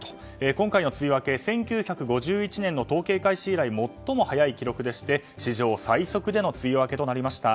今回の梅雨明けは１９５１年の統計開始以来最も早い記録でして史上最速での梅雨明けとなりました。